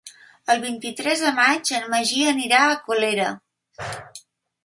El vint-i-tres de maig en Magí anirà a Colera.